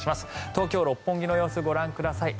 東京・六本木の様子ご覧ください。